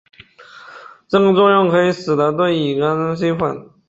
这个作用可以使得对乙酰氨基酚。